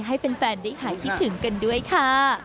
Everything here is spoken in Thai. ให้แฟนได้หายคิดถึงกันด้วยค่ะ